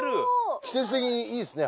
季節的にいいですね